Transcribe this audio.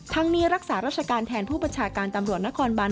นี้รักษาราชการแทนผู้บัญชาการตำรวจนครบาน